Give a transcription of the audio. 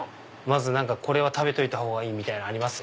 まずこれは食べといたほうがいいみたいなのあります？